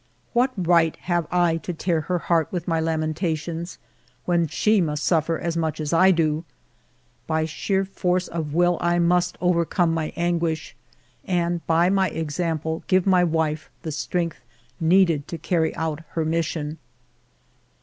What right have I to tear her heart with my lamentations, when she must suffer as much as I do ? By sheer force of will I must overcome my anguish, and by my example, give my wife the strength needed to carry out her mission.